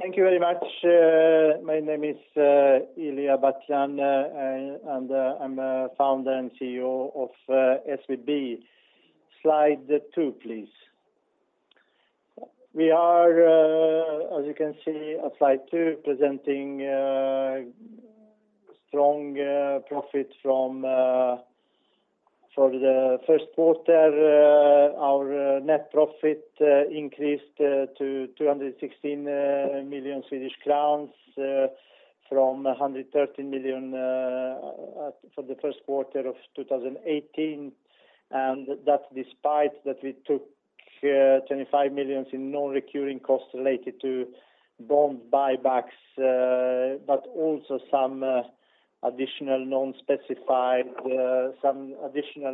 Thank you very much. My name is Ilija Batljan, and I'm Founder and Chief Executive Officer of SBB. Slide two, please. We are, as you can see on slide two, presenting strong profit for the first quarter. Our net profit increased to 216 million Swedish crowns from 113 million for the first quarter of 2018. That's despite that we took 25 million in non-recurring costs related to bond buybacks, but also some additional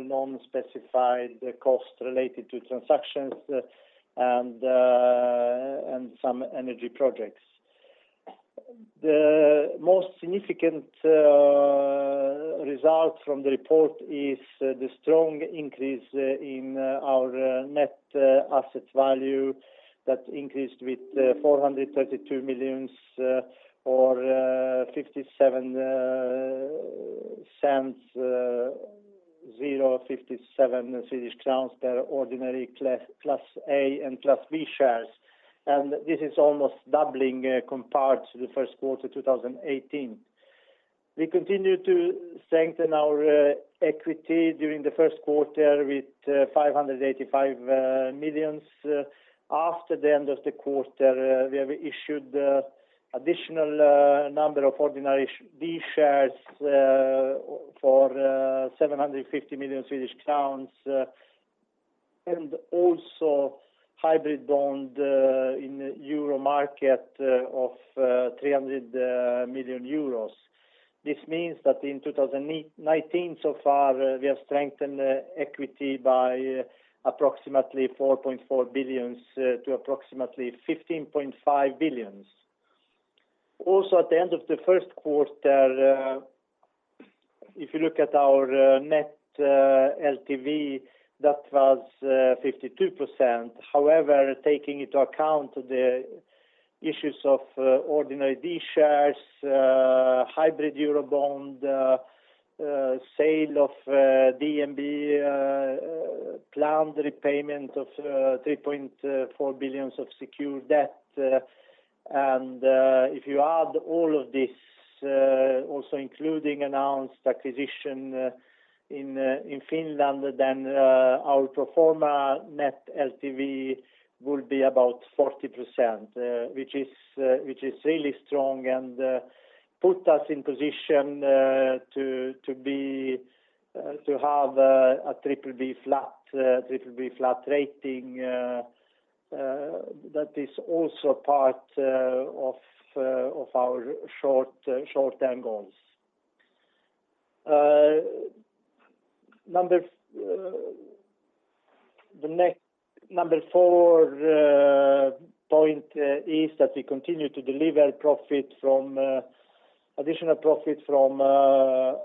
non-specified costs related to transactions and some energy projects. The most significant result from the report is the strong increase in our net asset value. That increased with 432 million or 0.57 Swedish crowns per ordinary Class A and Class B shares. This is almost doubling compared to the first quarter 2018. We continued to strengthen our equity during the first quarter with 585 million. After the end of the quarter, we have issued additional number of ordinary B shares for 750 million Swedish crowns and also hybrid bond in EUR market of 300 million euros. This means that in 2019 so far, we have strengthened equity by approximately 4.4 billion to approximately 15.5 billion. Also at the end of the first quarter, if you look at our net loan-to-value, that was 52%. However, taking into account the issues of ordinary D shares, hybrid euro bond, sale of DNB, planned repayment of 3.4 billion of secure debt. If you add all of this, also including announced acquisition in Finland, then our pro forma net LTV will be about 40%, which is really strong and put us in position to have a BBB flat rating. That is also part of our short-term goals. Number four point is that we continue to deliver additional profit from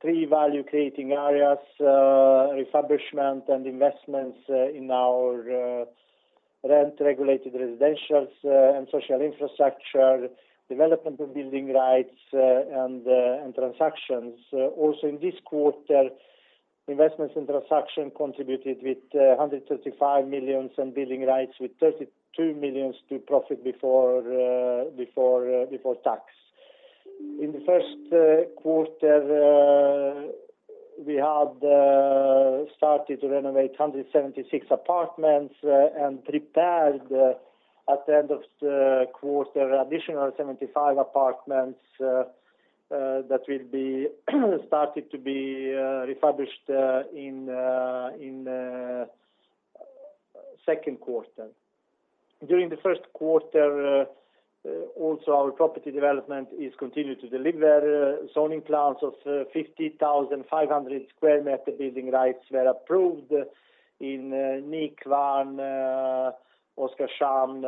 three value-creating areas, refurbishment and investments in our rent-regulated residentials and social infrastructure, development of building rights and transactions. Also in this quarter, investments and transaction contributed with 135 million and building rights with 32 million to profit before tax. In the first quarter, we had started to renovate 176 apartments and prepared at the end of the quarter additional 75 apartments that will be started to be refurbished in second quarter. During the first quarter also, our property development is continued to deliver zoning plans of 50,500 sq m building rights were approved in Nykvarn, Oskarshamn,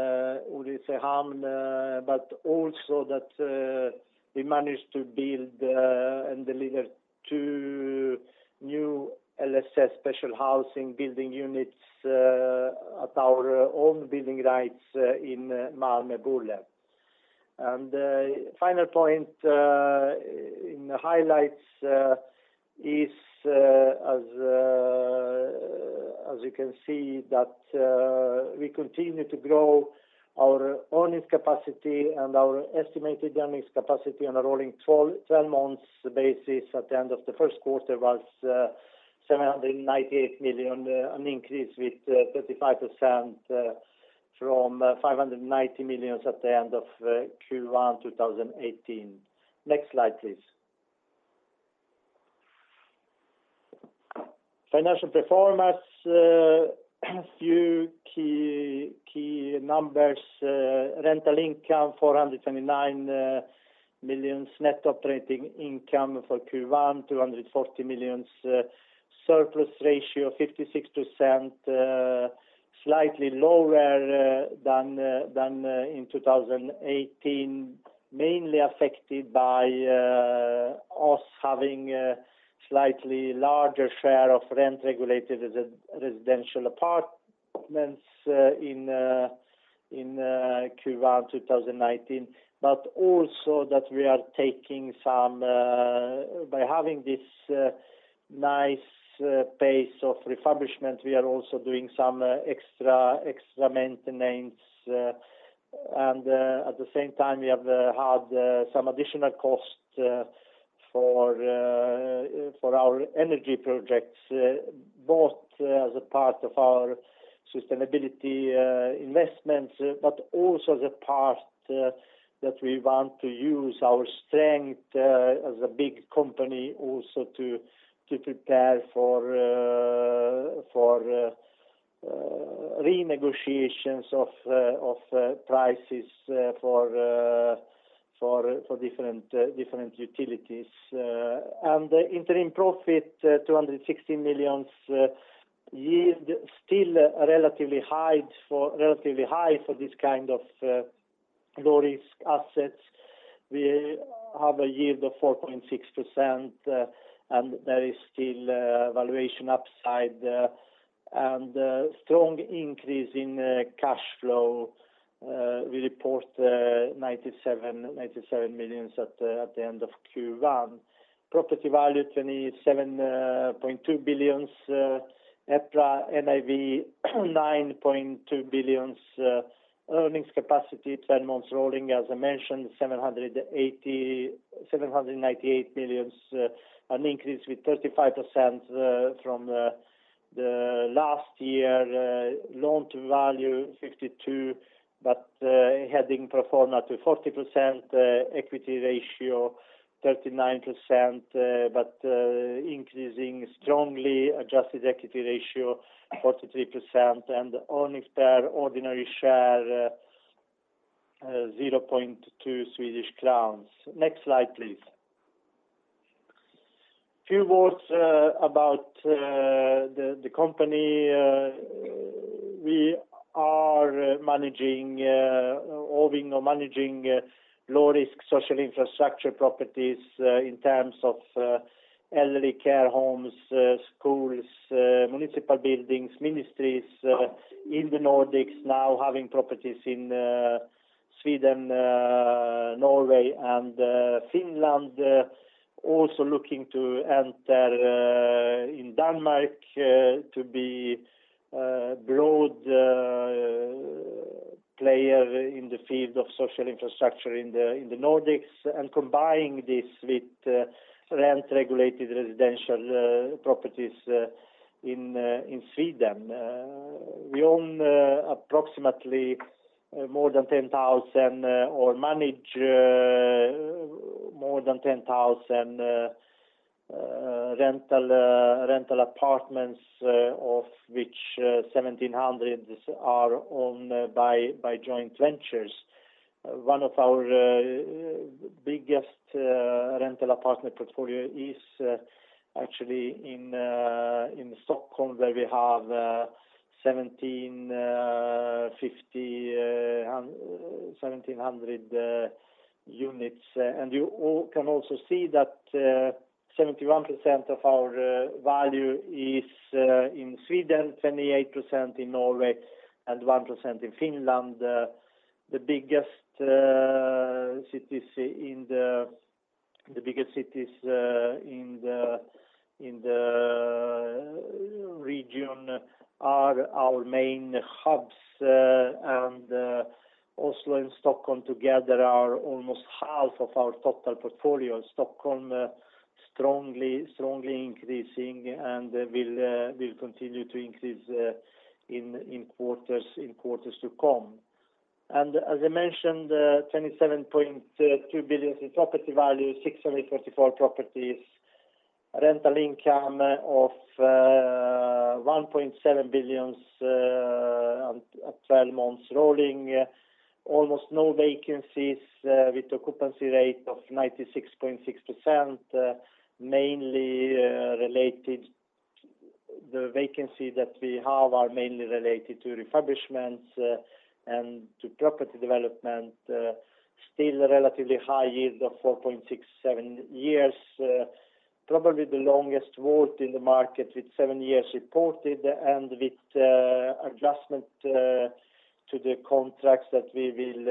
Ulricehamn but also that we managed to build and deliver two new LSS special housing building units at our own building rights in Malmö Bulltofta. Final point in the highlights is, as you can see that we continue to grow our earnings capacity and our estimated earnings capacity on a rolling 12-month basis at the end of the first quarter was 798 million, an increase with 35% from 590 million at the end of Q1 2018. Next slide, please. Financial performance, a few key numbers. Rental income 429 million. Net operating income for Q1 240 million. Surplus ratio 56%, slightly lower than in 2018, mainly affected by us having a slightly larger share of rent-regulated residential apartments in Q1 2019, but also that by having this nice pace of refurbishment, we are also doing some extra maintenance. At the same time, we have had some additional cost for our energy projects, both as a part of our sustainability investments, but also the part that we want to use our strength as a big company also to prepare for renegotiations of prices for different utilities. Interim profit 216 million, yield still relatively high for this kind of low-risk assets. We have a yield of 4.6%, and there is still valuation upside. Strong increase in cash flow. We report 97 million at the end of Q1. Property value 27.2 billion. European Public Real Estate Association net asset value 9.2 billion. Earnings capacity 12 months rolling, as I mentioned, 798 million, an increase with 35% from the last year. Loan to value 52%, but heading pro forma to 40%. Equity ratio 39%, but increasing strongly. Adjusted equity ratio 43%. Earnings per ordinary share 0.2 Swedish crowns. Next slide, please. Few words about the company. We are owning or managing low-risk social infrastructure properties in terms of elderly care homes, schools, municipal buildings, ministries in the Nordics now, having properties in Sweden, Norway, and Finland. Also looking to enter in Denmark to be broad player in the field of social infrastructure in the Nordics, and combining this with rent-regulated residential properties in Sweden. We own approximately more than 10,000 or manage more than 10,000 rental apartments, of which 1,700 are owned by joint ventures. One of our biggest rental apartment portfolio is actually in Stockholm, where we have 1,700 units. You can also see that 71% of our value is in Sweden, 28% in Norway, and 1% in Finland. The biggest cities in the region are our main hubs, and Oslo and Stockholm together are almost half of our total portfolio. Stockholm strongly increasing and will continue to increase in quarters to come. As I mentioned, 27.2 billion in property value, 644 properties. Rental income of 1.7 billion at 12 months rolling. Almost no vacancies, with occupancy rate of 96.6%. The vacancy that we have are mainly related to refurbishments and to property development. Still a relatively high yield of 4.67%. Probably the longest weighted average lease term in the market, with seven years reported and with adjustment to the contracts that we will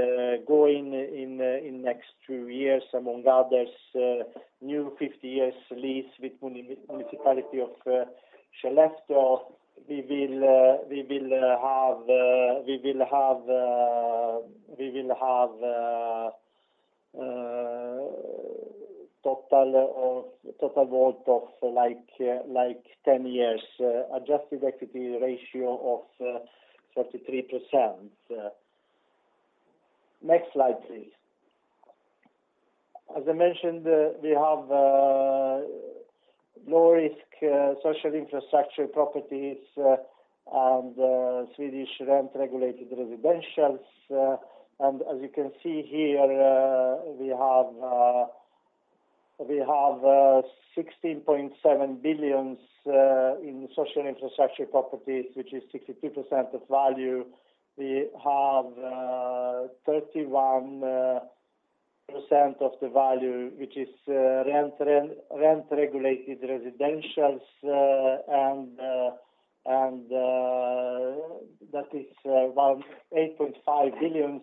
go in next two years. Among others, new 50-year lease with municipality of Skellefteå. We will have total WALT of 10 years. Adjusted equity ratio of 43%. Next slide, please. As I mentioned, we have low-risk social infrastructure properties and Swedish rent-regulated residentials. As you can see here, we have 16.7 billion in social infrastructure properties, which is 62% of value. We have 31% of the value, which is rent-regulated residentials, and that is around 8.5 billion.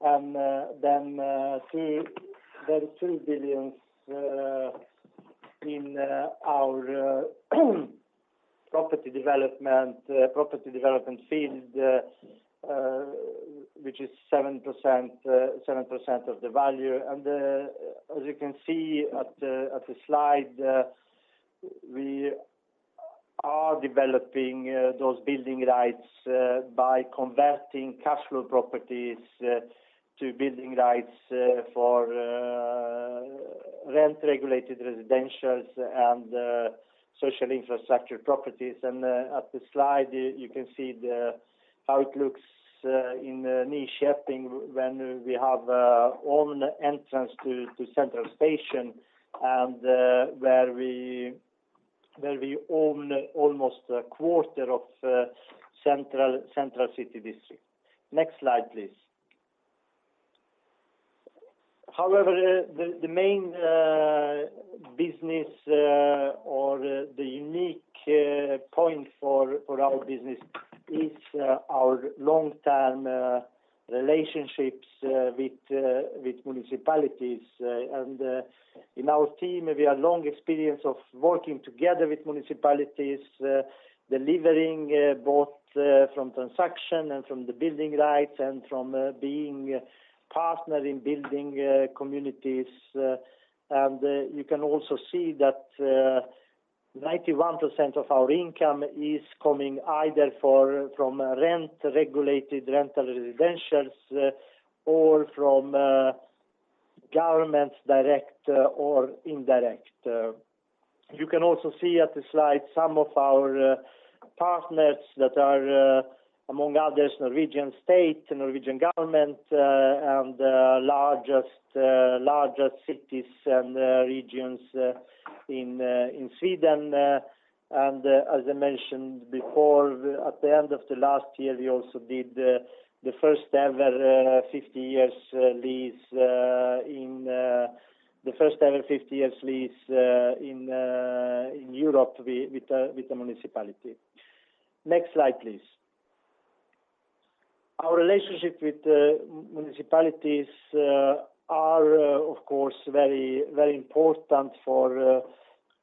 Then 3 billion in our property development field, which is 7% of the value. As you can see at the slide, we are developing those building rights by converting cash flow properties to building rights for rent-regulated residentials and social infrastructure properties. At the slide, you can see how it looks in Nyköping, when we have own entrance to Central Station and where we own almost a quarter of central city district. Next slide, please. However, the main business or the unique point for our business is our long-term relationships with municipalities. In our team, we have long experience of working together with municipalities, delivering both from transaction and from the building rights and from being partner in building communities. You can also see that 91% of our income is coming either from rent-regulated rental residentials or from government direct or indirect. You can also see at the slide some of our partners that are among others, Norwegian state and Norwegian government, and largest cities and regions in Sweden. As I mentioned before, at the end of the last year, we also did the first-ever 50 years lease in Europe with the municipality. Next slide, please. Our relationship with the municipalities are, of course, very important for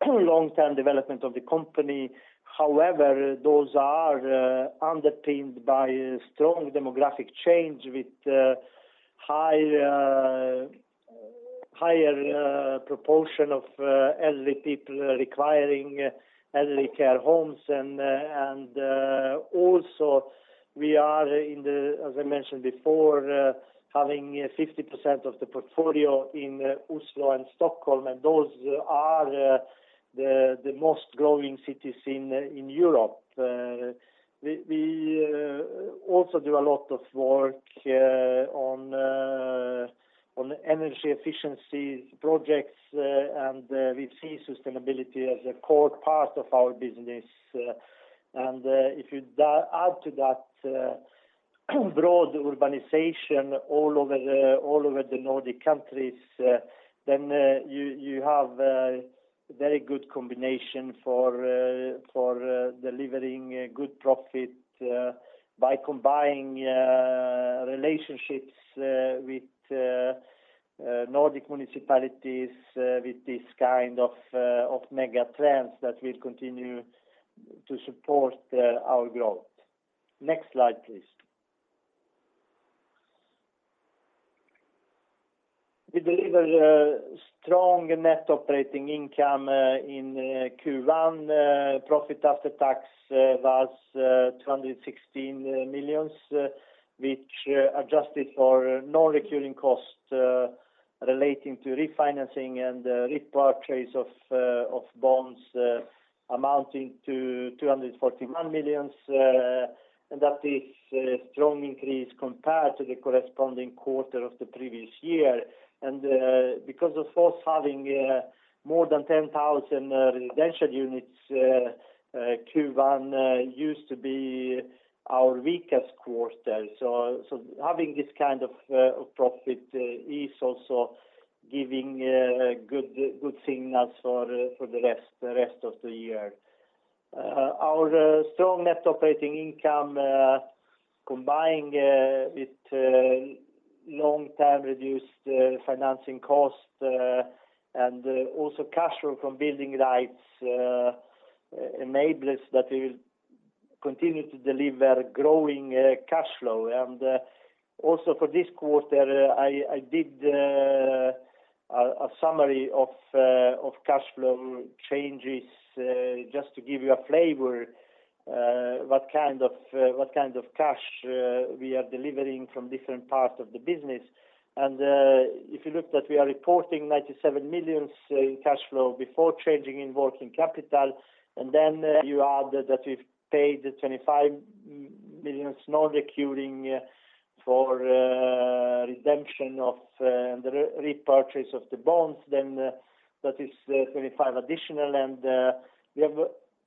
long-term development of the company. However, those are underpinned by strong demographic change with higher proportion of elderly people requiring elderly care homes. Also we are in the, as I mentioned before, having 50% of the portfolio in Oslo and Stockholm, and those are the most growing cities in Europe. We also do a lot of work on energy efficiency projects, and we see sustainability as a core part of our business. If you add to that broad urbanization all over the Nordic countries, then you have a very good combination for delivering good profit by combining relationships with Nordic municipalities with this kind of mega trends that will continue to support our growth. Next slide, please. We delivered a strong net operating income in Q1. Profit after tax was 216 million, which adjusted for non-recurring costs relating to refinancing and repurchase of bonds amounting to 241 million. That is a strong increase compared to the corresponding quarter of the previous year. Because of us having more than 10,000 residential units, Q1 used to be our weakest quarter. So having this kind of profit is also giving good signals for the rest of the year. Our strong net operating income, combined with long-term reduced financing cost and also cash flow from building rights enable us that we will continue to deliver growing cash flow. Also for this quarter, I did a summary of cash flow changes just to give you a flavor what kind of cash we are delivering from different parts of the business. If you look that we are reporting 97 million in cash flow before changing in working capital, then you add that we paid 25 million non-recurring for redemption of the repurchase of the bonds, then that is 35 million additional. We have,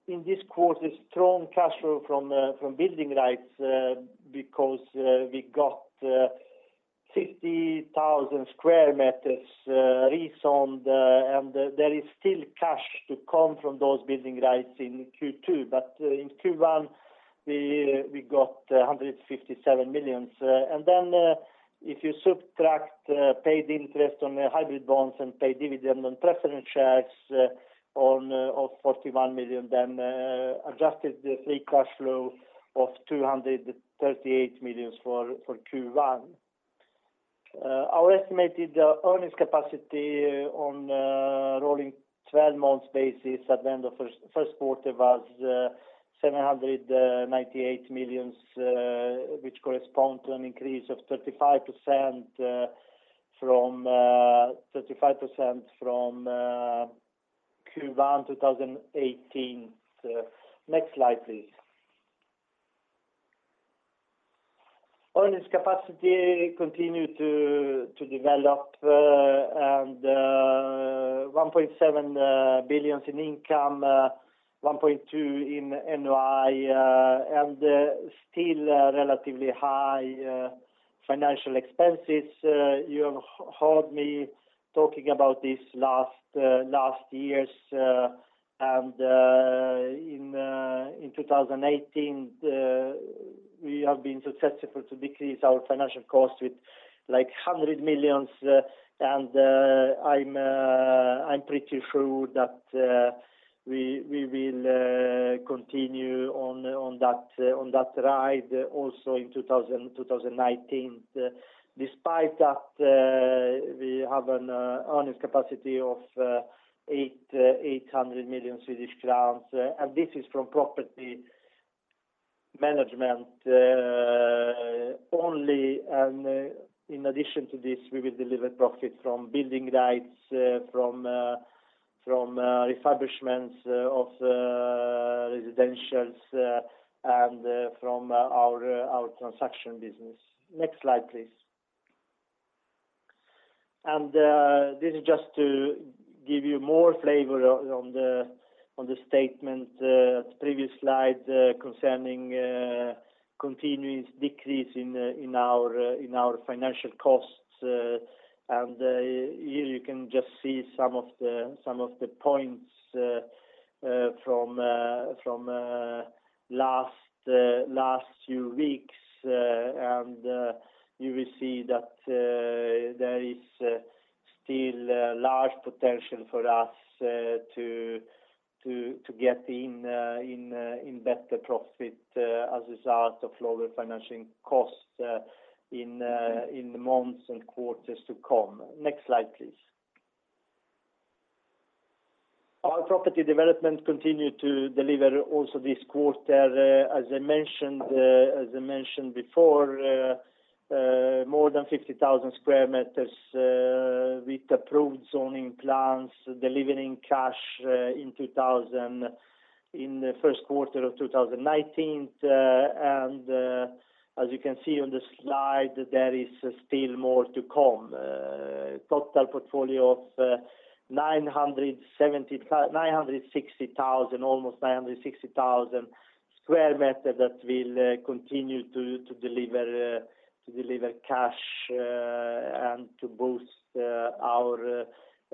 in this quarter, strong cash flow from building rights because we got 50,000 sq m leased on, and there is still cash to come from those building rights in Q2. But in Q1, we got 157 million. Then if you subtract paid interest on hybrid bonds and paid dividend on preference shares of 41 million, then adjusted free cash flow of SEK 238 million for Q1. Our estimated earnings capacity on a rolling 12 months basis at the end of first quarter was 798 million, which correspond to an increase of 35% from Q1 2018. Next slide, please. Earnings capacity continued to develop, 1.7 billion in income, 1.2 billion in net operating income, and still relatively high financial expenses. You have heard me talking about this last years, In 2018, we have been successful to decrease our financial cost with 100 million, I'm pretty sure that we will continue on that ride also in 2019. Despite that, we have an earnings capacity of 800 million Swedish crowns, this is from property management only, In addition to this, we will deliver profit from building rights, from refurbishments of residentials, and from our transaction business. Next slide, please. This is just to give you more flavor on the statement at the previous slide concerning continuous decrease in our financial costs. Here you can just see some of the points from last few weeks, You will see that there is still large potential for us to get in better profit as a result of lower financing costs in the months and quarters to come. Next slide, please. Our property development continued to deliver also this quarter. As I mentioned before, more than 50,000 sq m with approved zoning plans delivering cash in the first quarter of 2019. As you can see on the slide, there is still more to come. Total portfolio of almost 960,000 sq m that will continue to deliver cash and to boost our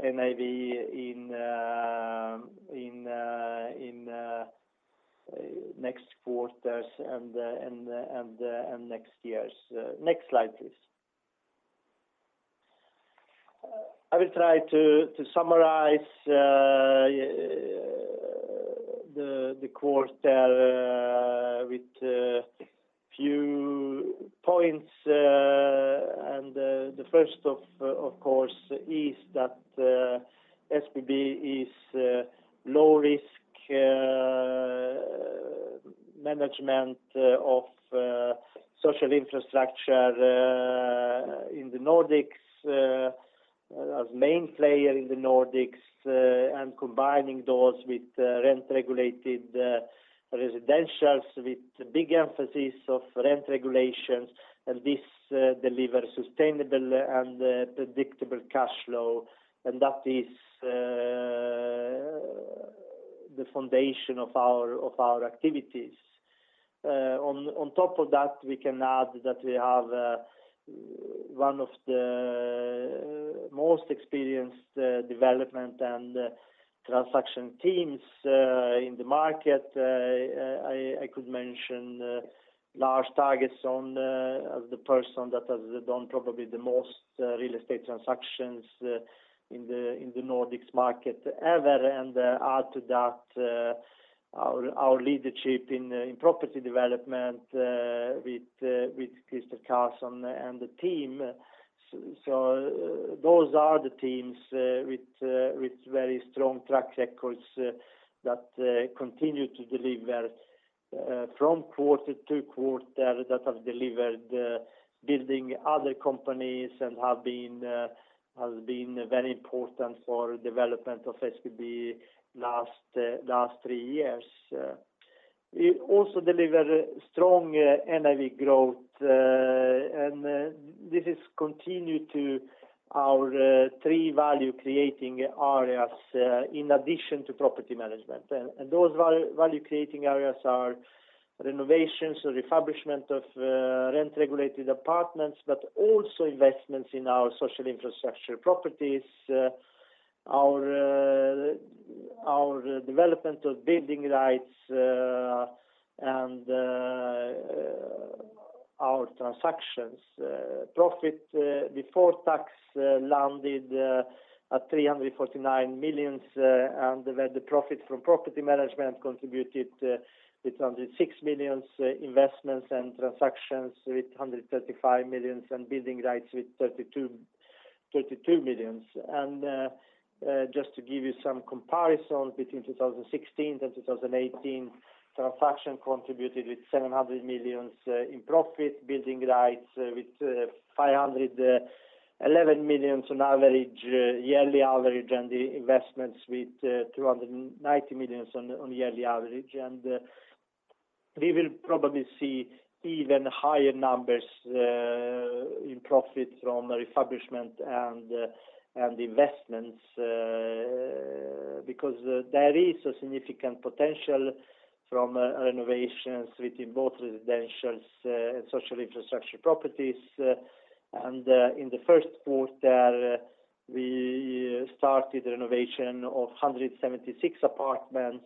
NAV in next quarters and next years. Next slide, please. I will try to summarize the quarter with few points, The first of course is that SBB is low risk management of social infrastructure in the Nordics as main player in the Nordics, combining those with rent-regulated residentials with big emphasis of rent regulations, this delivers sustainable and predictable cash flow, that is the foundation of our activities. On top of that, we can add that we have one of the most experienced development and transaction teams in the market. I could mention Lars Thagesson as the person that has done probably the most real estate transactions in the Nordics market ever, add to that our leadership in property development with Krister Karlsson and the team. Those are the teams with very strong track records that continue to deliver from quarter to quarter, that have delivered building other companies and have been very important for development of SBB last three years. We also deliver strong NAV growth. This is continued to our three value-creating areas in addition to property management. Those value-creating areas are renovations or refurbishment of rent-regulated apartments, but also investments in our social infrastructure properties, our development of building rights, and our transactions. Profit before tax landed at 349 million, where the profit from property management contributed with 106 million, investments and transactions with 135 million, and building rights with 32 million. Just to give you some comparisons between 2016 and 2018, transaction contributed with 700 million in profit, building rights with 511 million on yearly average, the investments with 290 million on yearly average. We will probably see even higher numbers in profit from refurbishment and investments, because there is a significant potential from renovations within both residentials and social infrastructure properties. In the first quarter, we started renovation of 176 apartments,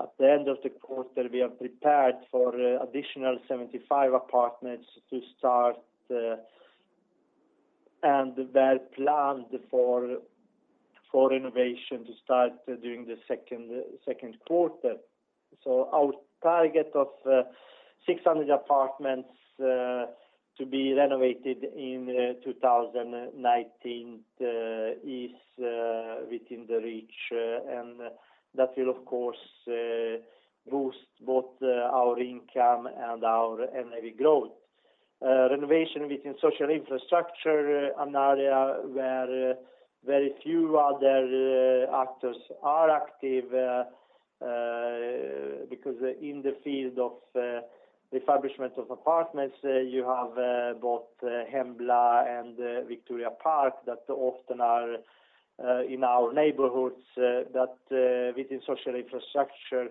at the end of the quarter, we have prepared for additional 75 apartments to start. They're planned for renovation to start during the second quarter. Our target of 600 apartments to be renovated in 2019 is within reach. That will, of course, boost both our income and our NAV growth. Renovation within social infrastructure, an area where very few other actors are active. In the field of refurbishment of apartments, you have both Hembla and Victoria Park that often are in our neighborhoods. Within social infrastructure,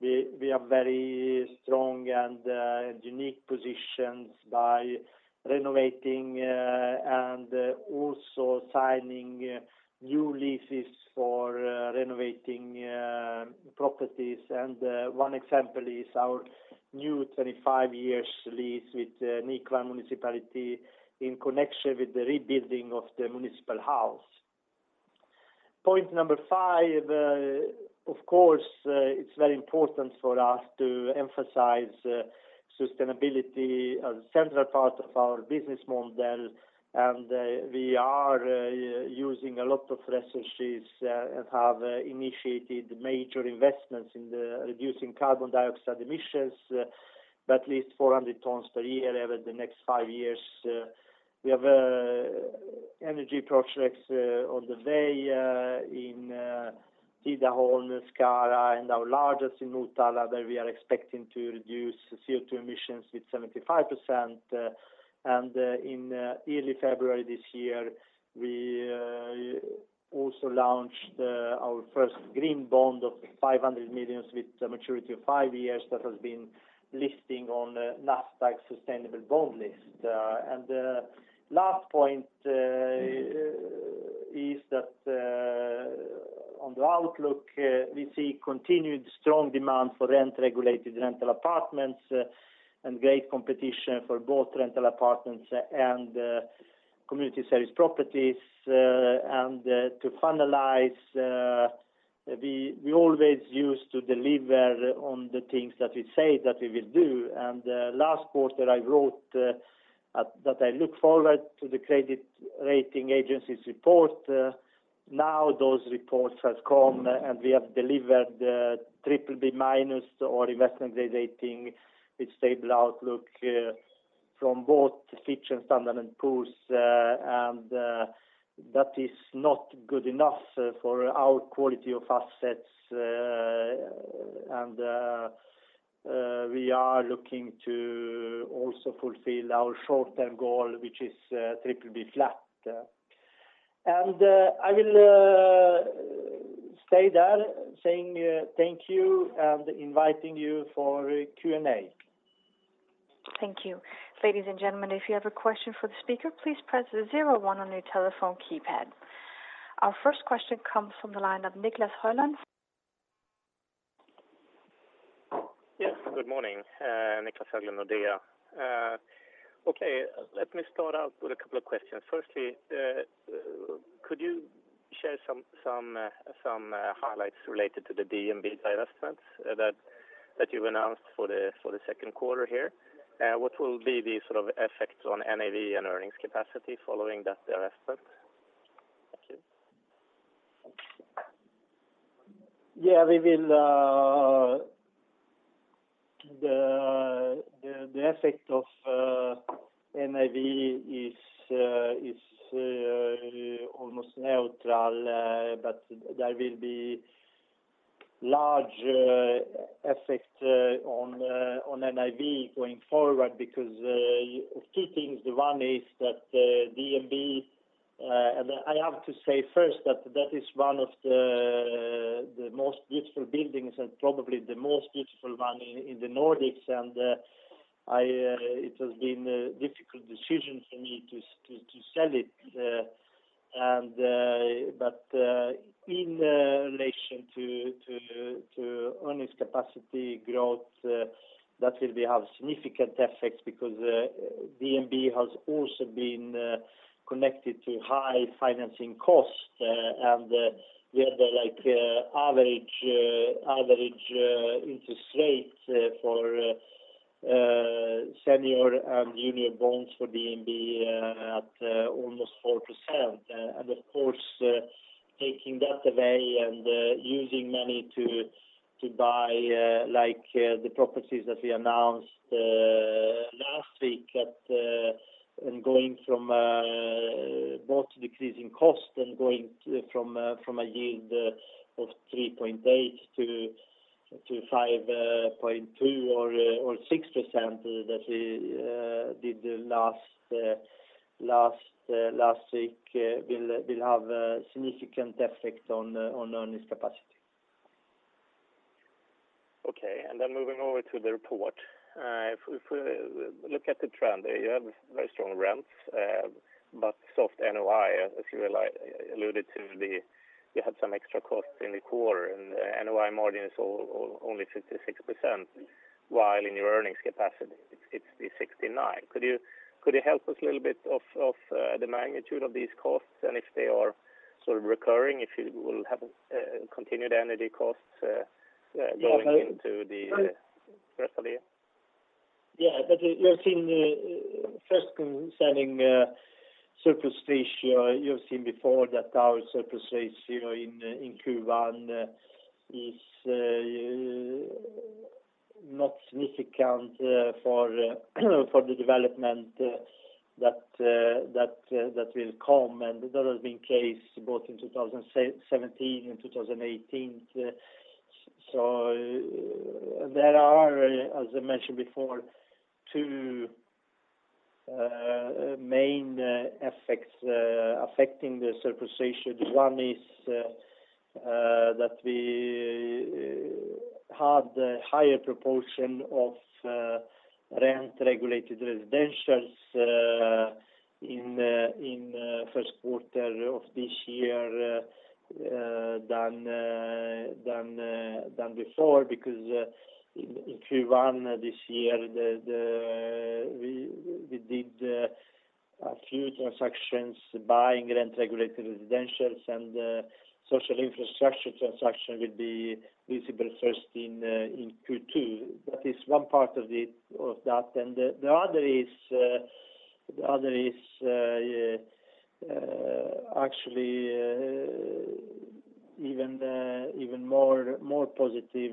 we are very strong and in unique positions by renovating and also signing new leases for renovating properties. One example is our new 25 years lease with Nykvarn Municipality in connection with the rebuilding of the municipal house. Point number five, of course, it's very important for us to emphasize sustainability as a central part of our business model. We are using a lot of resources, and have initiated major investments in reducing carbon dioxide emissions by at least 400 tons per year over the next five years. We have energy projects on the way in Tidaholm, Skara, and our largest in Norrtälje, that we are expecting to reduce CO2 emissions with 75%. In early February this year, we also launched our first green bond of 500 million with a maturity of five years that has been listing on Nasdaq Stockholm's sustainable bond list. Last point is that on the outlook, we see continued strong demand for rent-regulated rental apartments and great competition for both rental apartments and community service properties. To finalize, we always used to deliver on the things that we say that we will do. Last quarter, I wrote that I look forward to the credit rating agencies report. Those reports have come, and we have delivered BBB- or investment-grade rating with stable outlook from both Fitch and Standard and Poor's. That is not good enough for our quality of assets. We are looking to also fulfill our short-term goal, which is BBB flat. I will stay there saying thank you, and inviting you for Q&A. Thank you. Ladies and gentlemen, if you have a question for the speaker, please press the zero one on your telephone keypad. Our first question comes from the line of Niclas Höglund. Yes. Good morning, Niclas Höglund of Nordea Markets. Let me start out with a couple of questions. Firstly, could you share some highlights related to the DNB divestments that you announced for the second quarter here? What will be the sort of effects on NAV and earnings capacity following that divestment? Yeah, The effect of NAV is almost neutral, but there will be large effect on NAV going forward because of two things. The one is that DNB, and I have to say first that is one of the most beautiful buildings and probably the most beautiful one in the Nordics. It has been a difficult decision for me to sell it. In relation to earnings capacity growth, that will have significant effects because DNB has also been connected to high financing costs. We have the average interest rate for senior and junior bonds for DNB at almost 4%. Of course, taking that away and using money to buy the properties that we announced last week, going from both decreasing cost and going from a yield of 3.8% to 5.2% or 6% that we did last week will have a significant effect on earnings capacity. Okay. Moving over to the report. If we look at the trend, you have very strong rents but soft NOI, as you alluded to. You had some extra costs in the quarter, NOI margin is only 56%, while in your earnings capacity, it's 69%. Could you help us a little bit of the magnitude of these costs and if they are recurring, if you will have continued energy costs going into the rest of the year? Yeah. First concerning surplus ratio, you've seen before that our surplus ratio in Q1 is not significant for the development that will come. That has been the case both in 2017 and 2018. There are, as I mentioned before, two main effects affecting the surplus ratio. One is that we had a higher proportion of rent-regulated residentials in first quarter of this year than before. Because in Q1 this year, we did a few transactions buying rent-regulated residentials, social infrastructure transaction will be visible first in Q2. That is one part of that. The other is actually even more positive.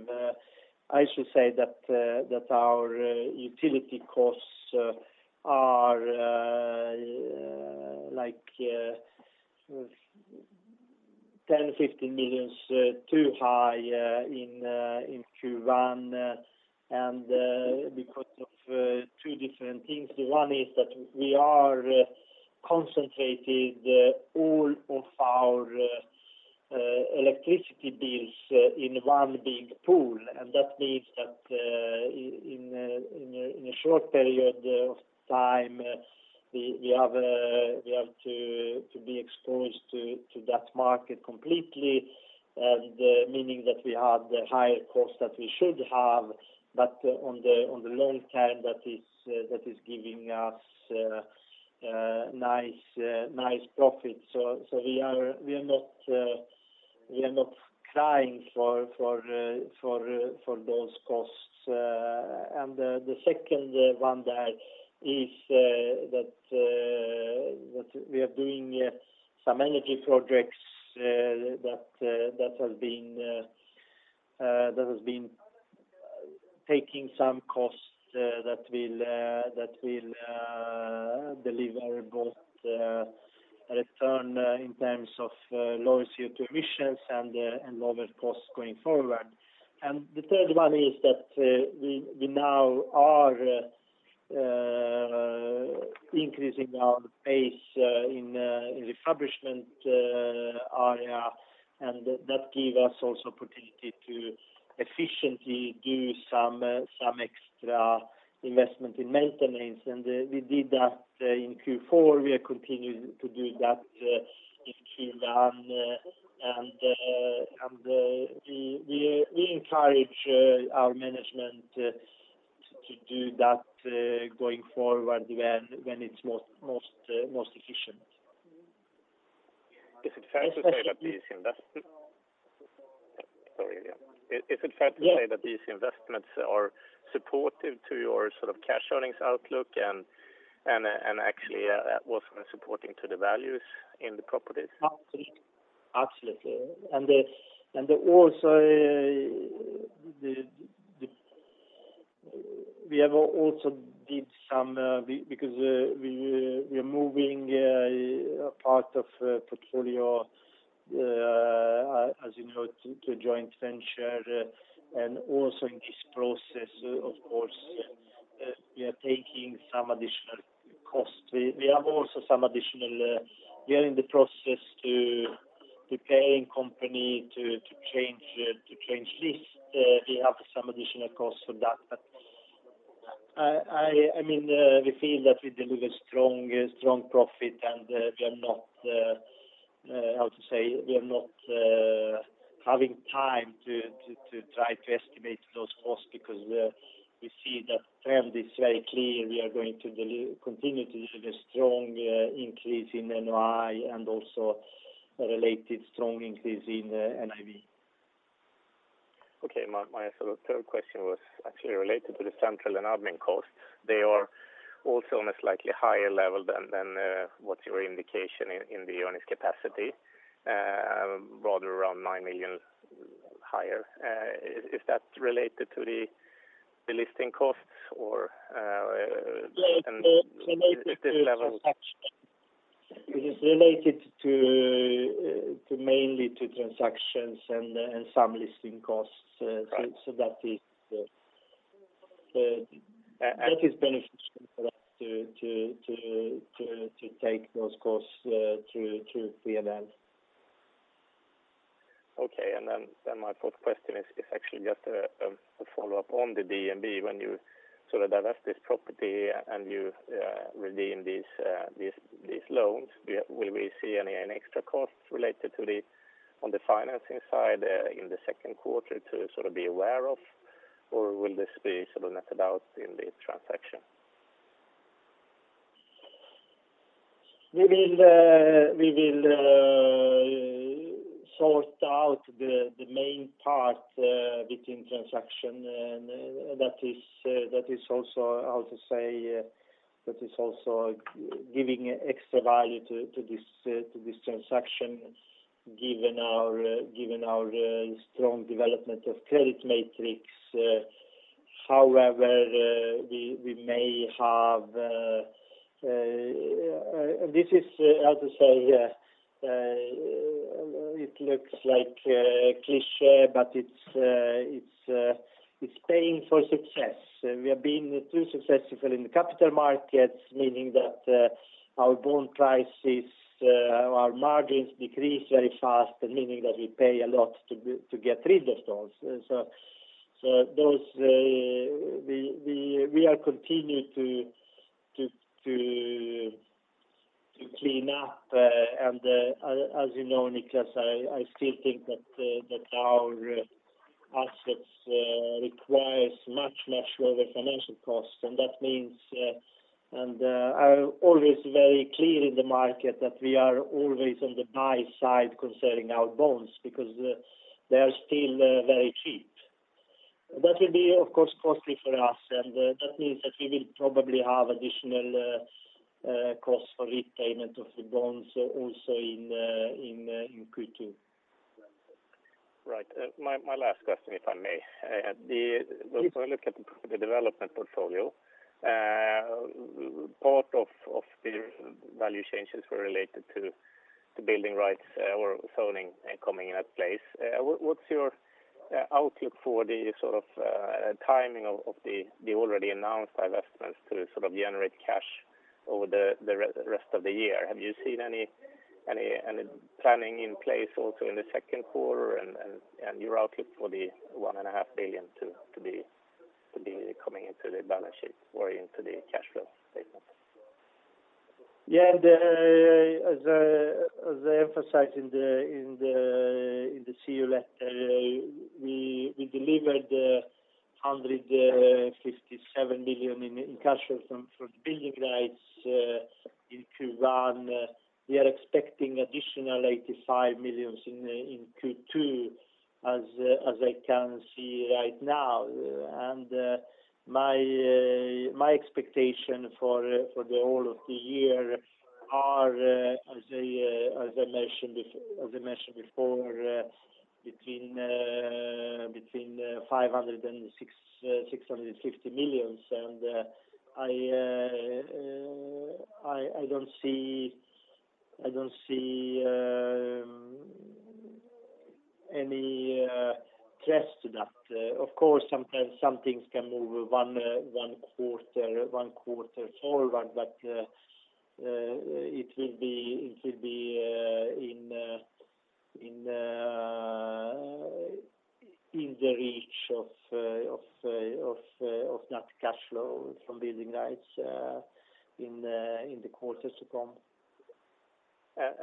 I should say that our utility costs are SEK 10 million, SEK 15 million too high in Q1 and because of two different things. The one is that we are concentrating all of our electricity bills in one big pool. That means that in a short period of time, we have to be exposed to that market completely, meaning that we have the higher cost that we should have. On the long term, that is giving us nice profit. We are not crying for those costs. The second one there is that we are doing some energy projects that has been taking some cost that will deliver both return in terms of lower CO2 emissions and lower costs going forward. The third one is that we now are increasing our pace in refurbishment area. That give us also opportunity to efficiently give some extra investment in maintenance. We did that in Q4. We are continuing to do that in Q1. We encourage our management to do that going forward when it's most efficient. Is it fair to say that these investments are supportive to your cash earnings outlook and actually also supporting to the values in the properties? Absolutely. Because we are moving a part of portfolio, as you know, to a joint venture. Also in this process, of course, we are taking some additional costs. We are in the process to paying company to change this. We have some additional costs for that. We feel that we deliver strong profit, and we are not, how to say, we are not having time to try to estimate those costs because we see the trend is very clear. We are going to continue to have a strong increase in NOI and also a related strong increase in NAV. Okay. My third question was actually related to the central and admin costs. They are also on a slightly higher level than what your indication in the earnings capacity, rather around 9 million higher. Is that related to the listing costs or. It is related mainly to transactions and some listing costs. Right. That is beneficial for us to take those costs through P&L. Okay. My fourth question is actually just a follow-up on the DNB. When you divest this property and you redeem these loans, will we see any extra costs related on the financing side in the second quarter to be aware of? Will this be net about in the transaction? We will sort out the main part within transaction, that is also giving extra value to this transaction given our strong development of credit metrics. However, this is, how to say, it looks like cliché, but it's paying for success. We have been too successful in the capital markets, meaning that our bond prices, our margins decrease very fast, meaning that we pay a lot to get rid of those. We are continuing to clean up. As you know, Niclas, I still think that our assets requires much lower financial costs. I am always very clear in the market that we are always on the buy side concerning our bonds, because they are still very cheap. That will be, of course, costly for us, that means that we will probably have additional costs for repayment of the bonds also in Q2. Right. My last question, if I may. Yes. When we look at the development portfolio, part of the value changes were related to building rights or zoning coming in at place. What's your outlook for the timing of the already announced divestments to generate cash over the rest of the year? Have you seen any planning in place also in the second quarter and your outlook for the 1.5 billion to be coming into the balance sheet or into the cash flow statement? Yeah. As I emphasized in the CEO letter, we delivered 157 million in cash flow from building rights in Q1. We are expecting additional 85 million in Q2 as I can see right now. My expectation for the whole of the year are, as I mentioned before, between 500 million and SEK 650 million. I don't see any threat to that. Of course, sometimes some things can move one quarter forward, but it will be in the reach of net cash flow from building rights in the quarters to come.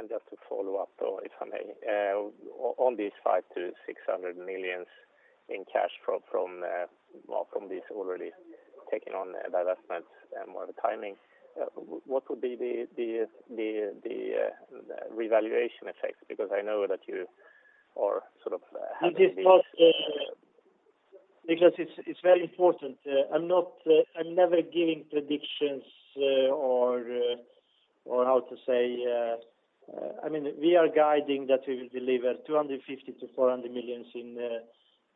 Just to follow up, though, if I may. On these 500 million-600 million in cash flow from this already taken on divestments and more of the timing, what would be the revaluation effect? Because I know that you. It is not, because it's very important. I'm never giving predictions or how to say. We are guiding that we will deliver 250 million-400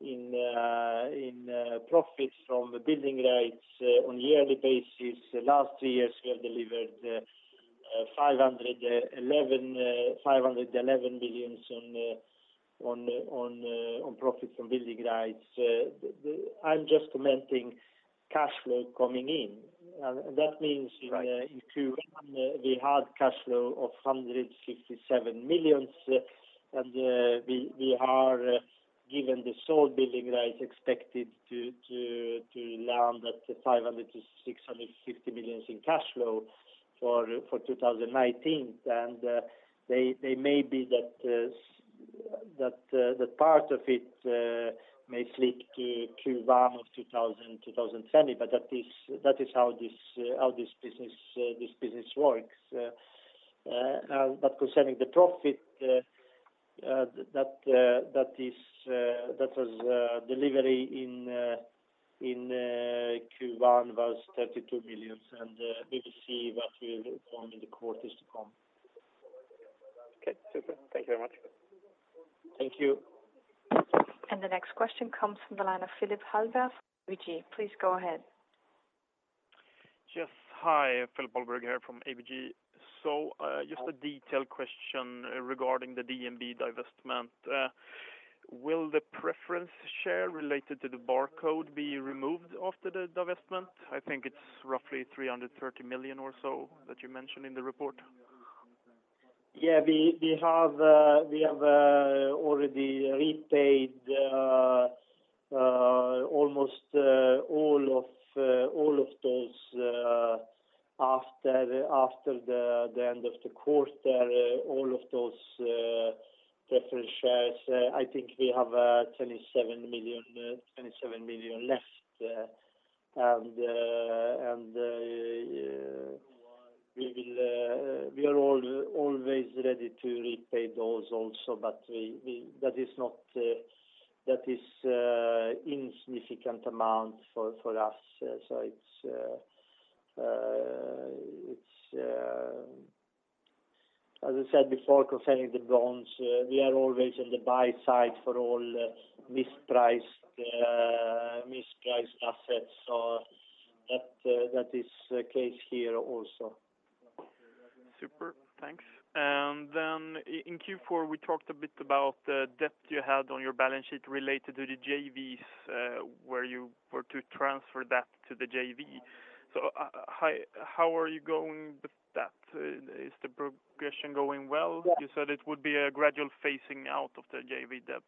million in profits from the building rights on yearly basis. Last three years, we have delivered 511 million on profit from building rights. I'm just commenting cash flow coming in. Right. In Q1, we had cash flow of 157 million. We are given the sole building rights expected to land at 500 million-650 million in cash flow for 2019. That part of it may slip to Q1 of 2020, but that is how this business works. Concerning the profit, that was delivery in Q1 was 32 million, and we will see what will come in the quarters to come. Okay, super. Thank you very much. Thank you. The next question comes from the line of Philip Hallberg, ABG. Please go ahead. Yes. Hi, Philip Hallberg here from ABG. Just a detailed question regarding the DNB divestment. Will the preference share related to the Barcode be removed after the divestment? I think it's roughly 330 million or so that you mentioned in the report. We have already repaid almost all of those after the end of the quarter, all of those preference shares. I think we have 27 million left. We are always ready to repay those also, but that is insignificant amount for us. As I said before, concerning the bonds, we are always on the buy side for all mispriced assets. That is the case here also. Super. Thanks. Then in Q4, we talked a bit about the debt you had on your balance sheet related to the joint ventures, where you were to transfer debt to the JV. How are you going with that? Is the progression going well? Yeah. You said it would be a gradual phasing out of the JV debt.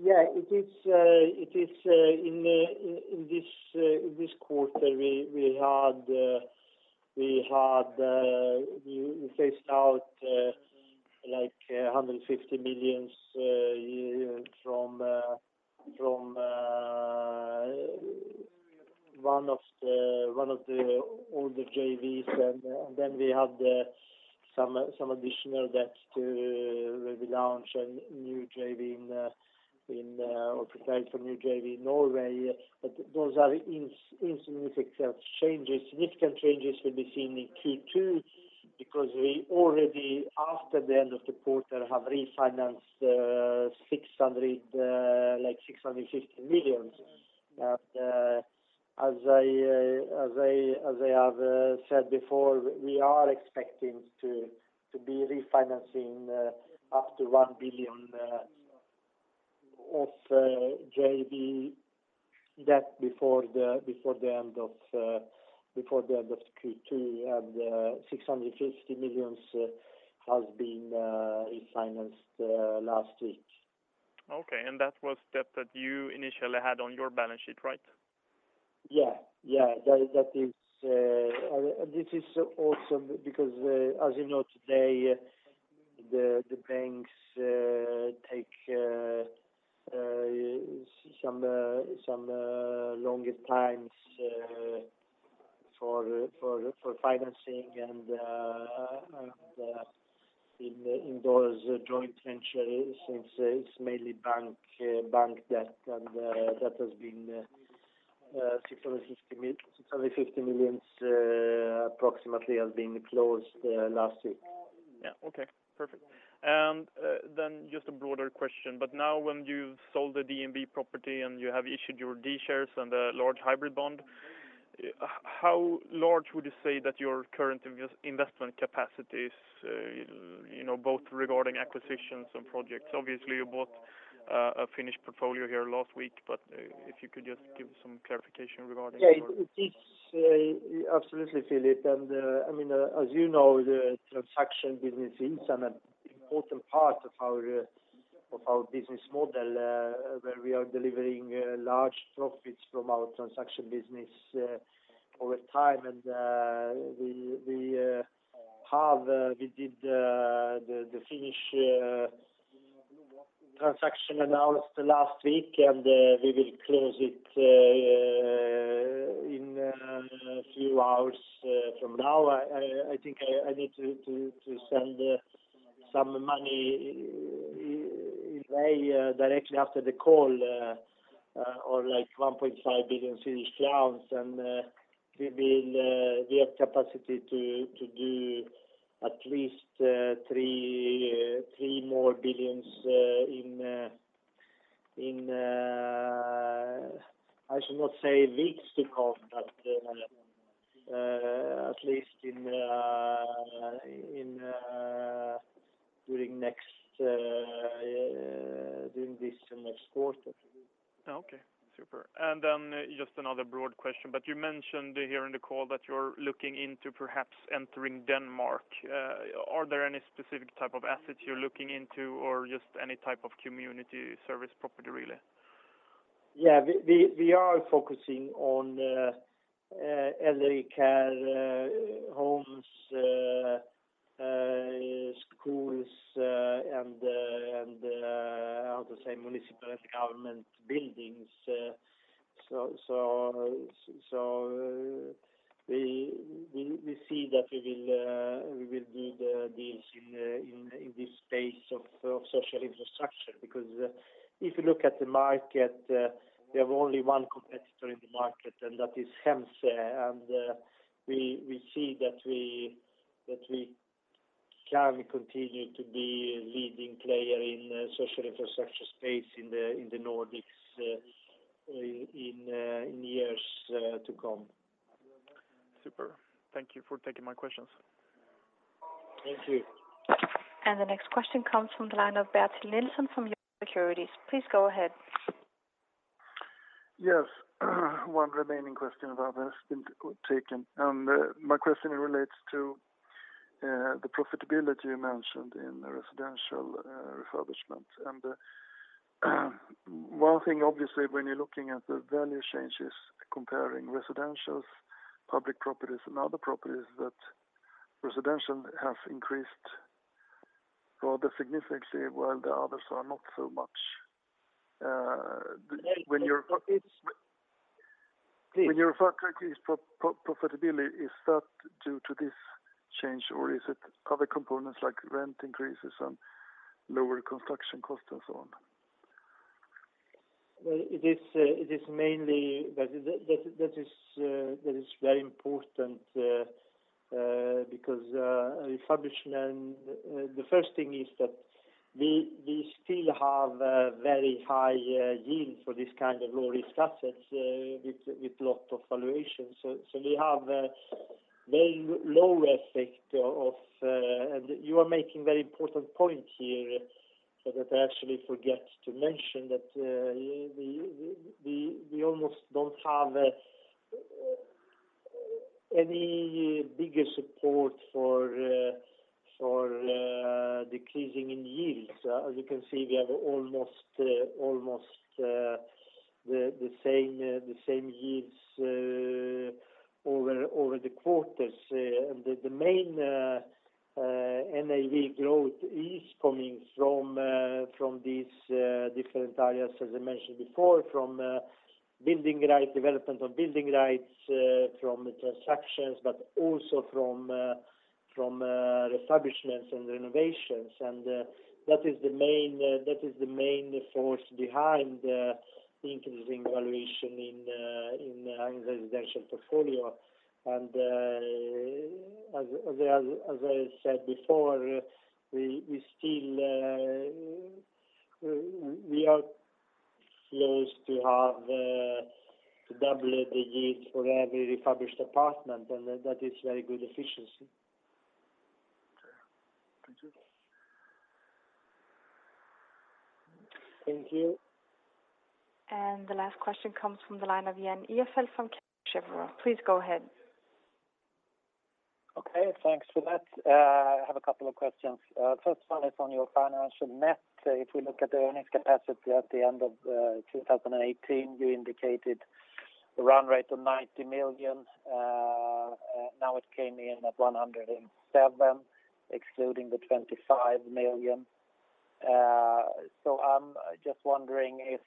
Yeah. In this quarter, we phased out like SEK 150 million from one of the older JVs, then we had some additional debt to relaunch a new JV or prepare for new JV in Norway. Those are insignificant changes. Significant changes will be seen in Q2 because we already, after the end of the quarter, have refinanced like 650 million. As I have said before, we are expecting to be refinancing up to 1 billion of JV debt before the end of Q2, and 650 million has been refinanced last week. Okay. That was debt that you initially had on your balance sheet, right? Yeah. This is awesome because as you know today, the banks take some longer times for financing and in those joint ventures, since it's mainly bank debt, and 650 million approximately has been closed last week. Yeah. Okay, perfect. Just a broader question, now when you've sold the DNB property and you have issued your D shares and the large hybrid bond, how large would you say that your current investment capacity is, both regarding acquisitions and projects? Obviously, you bought a Finnish portfolio here last week, if you could just give some clarification regarding your. Yeah. Absolutely, Philip, as you know, the transaction business is an important part of our business model, where we are delivering large profits from our transaction business over time. We did the Finnish transaction announced last week, we will close it a few hours from now, I think I need to send some money away directly after the call, or 1.5 billion Swedish crowns, we have capacity to do at least 3 billion more in, I should not say weeks to come, but at least during this next quarter. Okay, super. Just another broad question, you mentioned here in the call that you're looking into perhaps entering Denmark. Are there any specific type of assets you're looking into or just any type of community service property, really? Yeah. We are focusing on elderly care homes, schools, how to say, municipal government buildings. We see that we will do the deals in this space of social infrastructure because if you look at the market, we have only one competitor in the market, and that is Hemsö. We see that we can continue to be a leading player in social infrastructure space in the Nordics in years to come. Super. Thank you for taking my questions. Thank you. The next question comes from the line of Bertil Nilsson from Carlsquare. Please go ahead. Yes. One remaining question, the others have been taken. My question relates to the profitability you mentioned in residential refurbishment. One thing, obviously, when you're looking at the value changes, comparing residentials, public properties, and other properties, that residential have increased rather significantly while the others are not so much. When your profitability, is that due to this change or is it other components like rent increases and lower construction cost and so on? Well, that is very important because refurbishment, the first thing is that we still have a very high yield for this kind of low-risk assets with lot of valuation. You are making very important point here that I actually forget to mention that we almost don't have any bigger support for decreasing in yields. As you can see, we have almost the same yields over the quarters. The main NAV growth is coming from these different areas, as I mentioned before, from building right, development of building rights, from transactions, but also from refurbishments and renovations. That is the main force behind the increasing valuation in residential portfolio. As I said before, we are close to have to double the yield for every refurbished apartment, and that is very good efficiency. Okay. Thank you. The last question comes from the line of Jan Ihrfelt from Kepler Cheuvreux. Please go ahead. Okay, thanks for that. I have a couple of questions. First one is on your financial net. If we look at the earnings capacity at the end of 2018, you indicated the run rate of 90 million. Now it came in at 107, excluding the 25 million. I'm just wondering if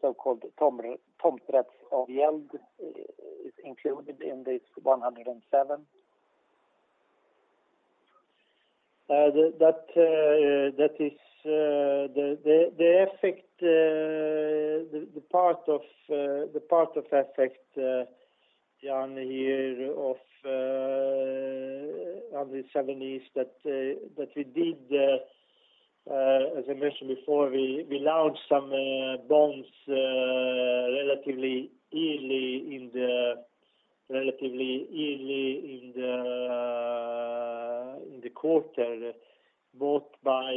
so-called tomträttsavgäld is included in this 107? The part of effect, Jan, here of the 70s that we did, as I mentioned before, we launched some bonds relatively early in the quarter, both by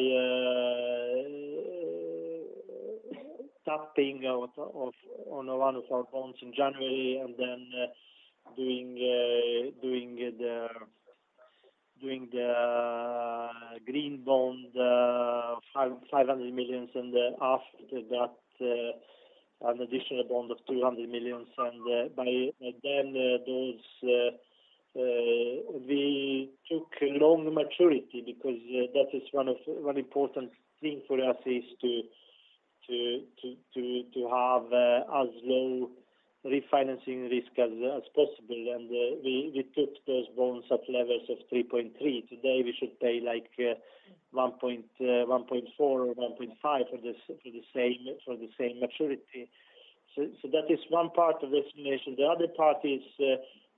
topping out of one of our bonds in January and then doing the green bond, 500 million, and after that, an additional bond of 300 million. We took long maturity because that is one important thing for us is to have as low refinancing risk as possible. We took those bonds at levels of 3.3%. Today we should pay like 1.4% or 1.5% for the same maturity. That is one part of the explanation. The other part is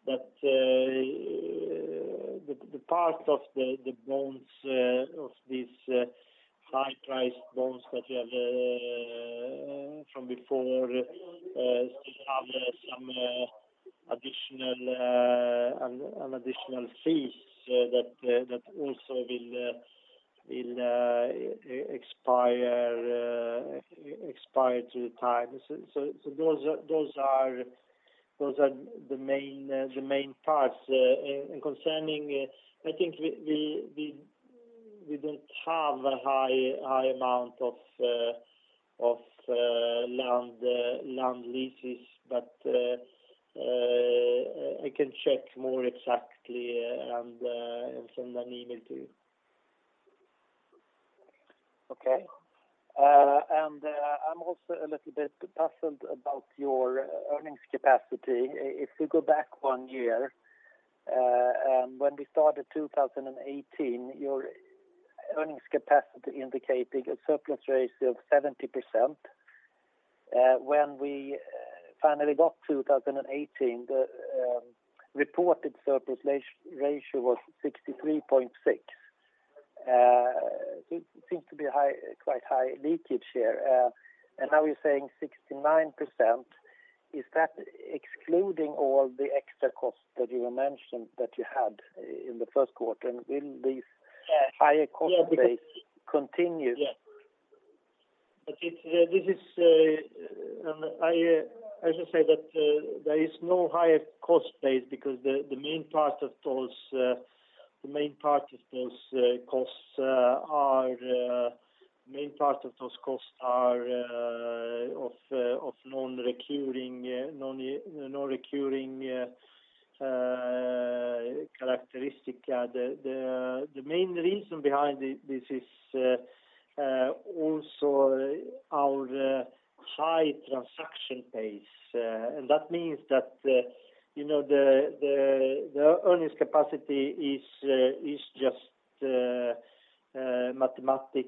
that the part of the bonds of this high-priced bonds that we have from before still have some additional fees that also will expire through time. Those are the main parts. Concerning, I think we don't have a high amount of land leases, but I can check more exactly and send an email to you. Okay. I'm also a little bit puzzled about your earnings capacity. If you go back one year, when we started 2018, your earnings capacity indicated a surplus ratio of 70%. When we finally got 2018, the reported surplus ratio was 63.6%. Seems to be quite high leakage here. Now you're saying 69%. Is that excluding all the extra costs that you mentioned that you had in the first quarter? Will these higher cost base continue? Yes. I should say that there is no higher cost base because the main part of those costs are of non-recurring characteristic. The main reason behind this is also our high transaction pace, that means that the earnings capacity is just mathematical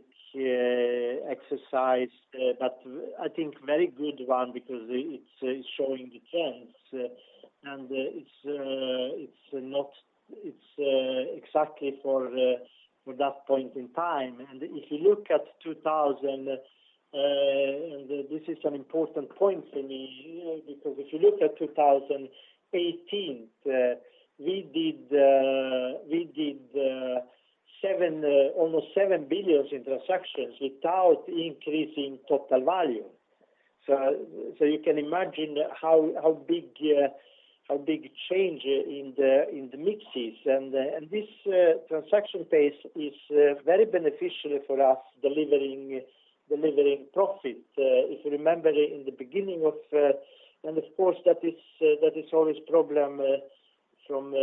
exercise, but I think very good one because it's showing the trends. It's exactly for that point in time. This is an important point for me, because if you look at 2018, we did almost 7 billion in transactions without increasing total value. You can imagine how big change in the mixes and this transaction pace is very beneficial for us delivering profit. Of course, that is always problem from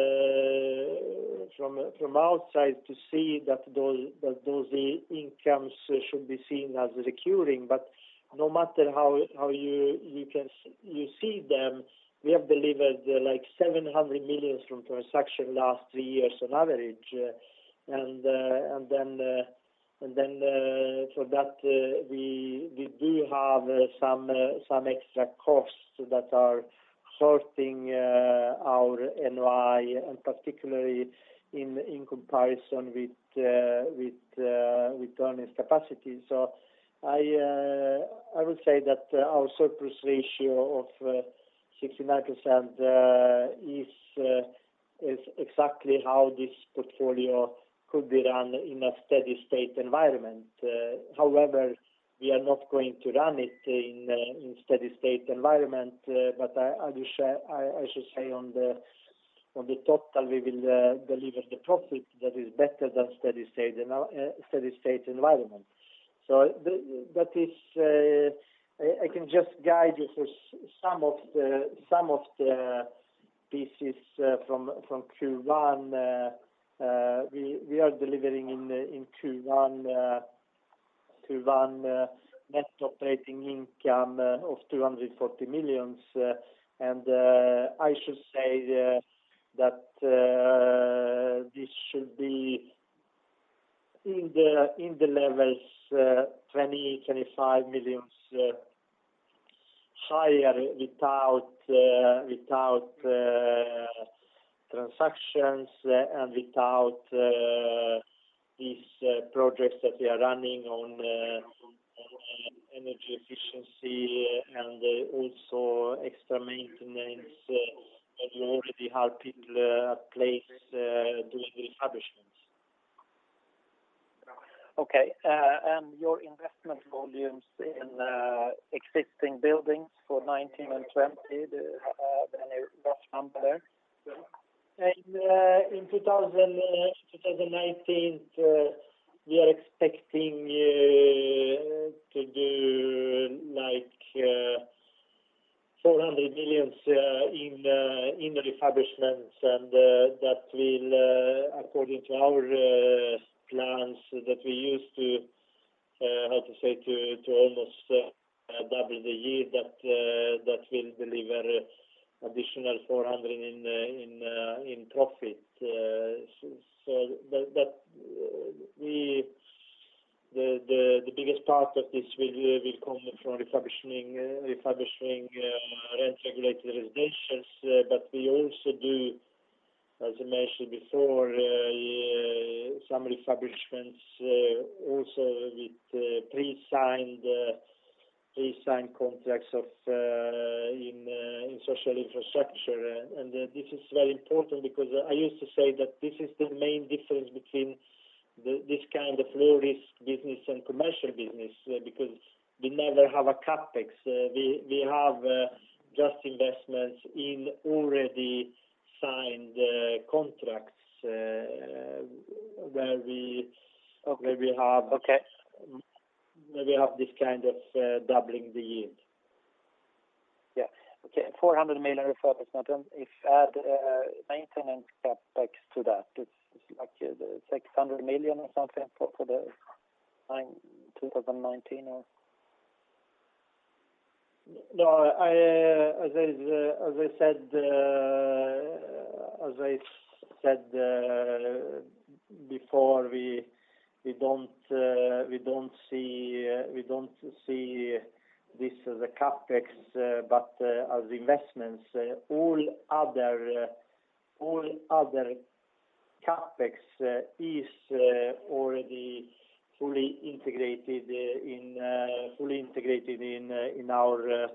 outside to see that those incomes should be seen as recurring. No matter how you see them, we have delivered 700 million from transaction last three years on average. For that, we do have some extra costs that are hurting our NOI and particularly in comparison with earnings capacity. I would say that our surplus ratio of 69% is exactly how this portfolio could be run in a steady state environment. However, we are not going to run it in steady state environment. I should say on the total, we will deliver the profit that is better than steady state environment. I can just guide you for some of the pieces from Q1. We are delivering in Q1 net operating income of 240 million. I should say that this should be in the levels 20 million-25 million higher without transactions and without these projects that we are running on energy efficiency and also extra maintenance that we already had people place those establishments. Okay. Your investment volumes in existing buildings for 2019 and 2020, do you have any rough number there? In 2019, we are expecting SEK 100 million in refurbishments, and that will, according to our plans that we use to almost double the yield, that will deliver additional 400 million in profit. The biggest part of this will come from refurbishing rent-regulated residences. We also do, as I mentioned before, some refurbishments also with pre-signed contracts in social infrastructure. This is very important because I used to say that this is the main difference between this kind of low-risk business and commercial business, because we never have a CapEx. We have just investments in already signed contracts where we have this kind of doubling the yield. Yeah. Okay, 400 million refurbishment. If add maintenance CapEx to that, it's like 600 million or something for 2019? No, as I said before, we don't see this as a CapEx, but as investments. All other CapEx is already fully integrated in our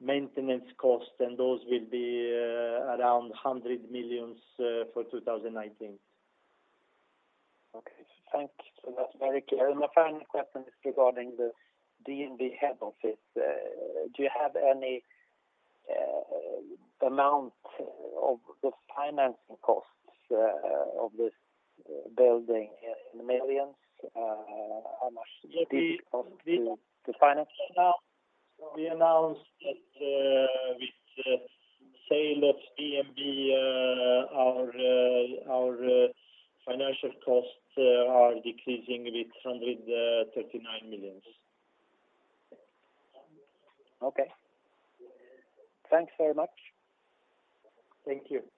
maintenance cost, those will be around 100 million for 2019. Okay. Thanks. That's very clear. My final question is regarding the DNB head office. Do you have any amount of the financing costs of this building in millions? How much did it cost to finance it now? We announced that with the sale of DNB our financial costs are decreasing with 139 million. Okay. Thanks very much. Thank you.